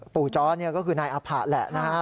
ปู่จ้อก็คือนายอาผะแหละนะครับ